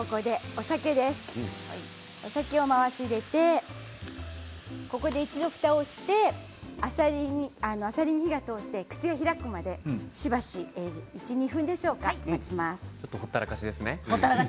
お酒を回し入れてここで一度、ふたをしてあさりに火が通って口が開くまでしばし１、２分でしょうか。